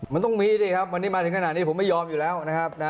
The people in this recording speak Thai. มันต้องมีดิครับวันนี้มาถึงขนาดนี้ผมไม่ยอมอยู่แล้วนะครับ